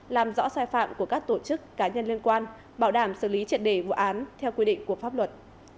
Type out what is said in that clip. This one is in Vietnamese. làm rõ sai phạm của các tổ chức cá nhân liên quan bảo đảm xử lý triệt đề vụ án theo quy định của pháp luật